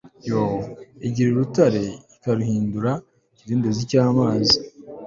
yo igira urutare ikaruhindura ikidendezi cy'amazi